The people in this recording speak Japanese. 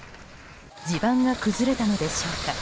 地盤が崩れたのでしょうか